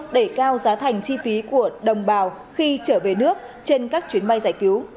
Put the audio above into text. để cao giá thành chi phí của đồng bào khi trở về nước trên các chuyến bay giải cứu